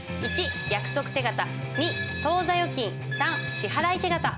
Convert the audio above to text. １約束手形２当座預金３支払手形。